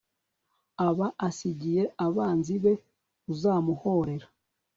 aba asigiye abanzi be uzamuhorera